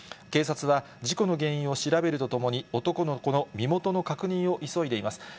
警察は事故の原因を調べるとともに、男の子の身元の確認を急いでいます。